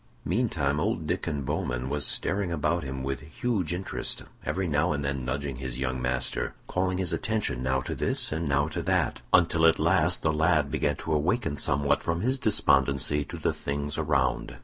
Meantime old Diccon Bowman was staring about him with huge interest, every now and then nudging his young master, calling his attention now to this and now to that, until at last the lad began to awaken somewhat from his despondency to the things around.